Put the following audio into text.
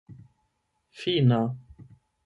fina